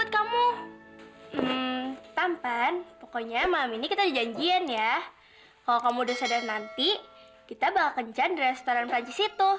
kamu tuh antoni